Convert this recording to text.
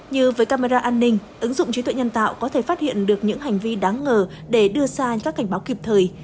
như với camera an ninh ứng dụng trí tuệ nhân tạo có thể phát hiện được những hành vi đáng ngờ để đưa ra các cảnh báo kịp thời